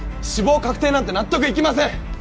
死亡確定なんて納得いきません！